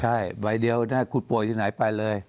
ใช่ใบเดียวถ้าคุณป่วยที่ไหนไปเลย